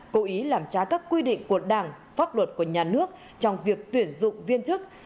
cố ý làm trái các quy định của đảng pháp luật của nhà nước trong việc tuyển dụng viên chức